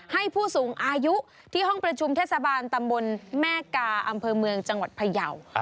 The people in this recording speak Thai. ผู้สูงอายุที่ห้องประชุมเทศบาลตำบลแม่กาอำเภอเมืองจังหวัดพยาว